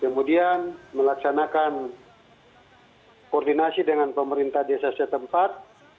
kemudian melaksanakan koordinasi dengan pemerintah desa setempat